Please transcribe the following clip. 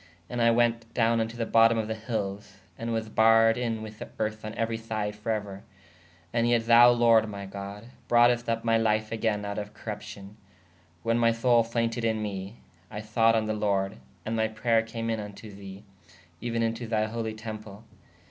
And I wēt downe vn to the botome of the hylles/ and was barredin with erth on euery syde for euer. And yet thou lorde my God broughest vp my life agayne out of corrupcion. When my soule faynted in me/ I thought on the lorde: & my prayer came in vn to the/ even in to thy holy temple.